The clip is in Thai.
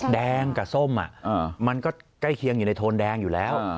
แดงกับส้มมันก็ใกล้เคียงอยู่ในโทนแดงอยู่แล้ว